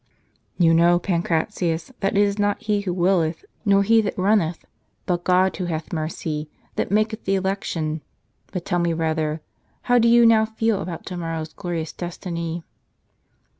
" You know, Pancratius, that it is not he who willeth, nor he that i unneth, but God who hath mercy, that maketh the election. But tell me rather, how do you now feel about to morrow's glorious destiny